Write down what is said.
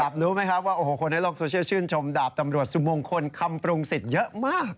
รู้ไหมครับว่าโอ้โหคนในโลกโซเชียลชื่นชมดาบตำรวจสุมงคลคำปรุงสิทธิ์เยอะมาก